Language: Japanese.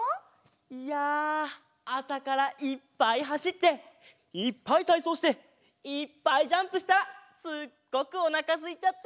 いやあさからいっぱいはしっていっぱいたいそうしていっぱいジャンプしたらすっごくおなかすいちゃって。